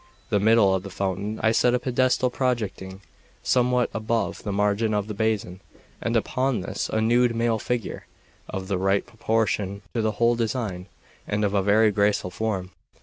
In the middle of the fountain I set a pedestal, projecting somewhat above the margin of the basin, and upon this a nude male figure, of the right proportion to the whole design, and of a very graceful form.